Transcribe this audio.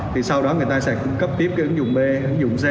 thì sau đó người ta sẽ cung cấp tiếp cái ứng dụng b ứng dụng